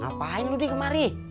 ngapain lu dikemari